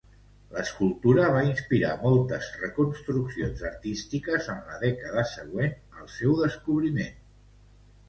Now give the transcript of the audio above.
L'escultura va inspirar moltes reconstruccions artístiques en la dècada següent al seu descobriment.